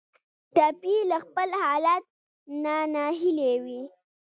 ټپي له خپل حالت نه ناهیلی وي.